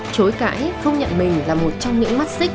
chối cãi không nhận mình là một trong những mắt xích